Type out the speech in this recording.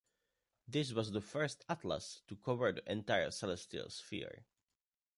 This was the first atlas to cover the entire celestial sphere.